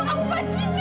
kamu buat cinta